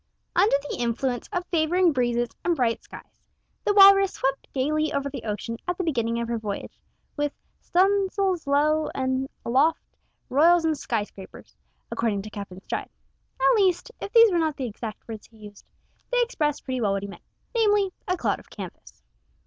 Under the influence of favouring breezes and bright skies the Walrus swept gaily over the ocean at the beginning of her voyage, with "stuns'ls slow and aloft, royals and sky scrapers," according to Captain Stride. At least, if these were not the exact words he used, they express pretty well what he meant, namely, a "cloud of canvas."